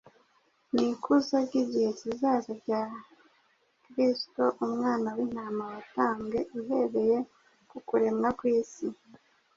n’ikuzo ry’igihe kizaza rya Kristo, “Umwana w’intama watambwe uhereye ku kuremwa kw’isi.”